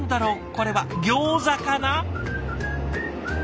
これはギョーザかな？